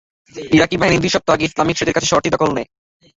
ইরাকি বাহিনী দুই সপ্তাহ আগে ইসলামিক স্টেটের কাছ থেকে শহরটির দখল নেয়।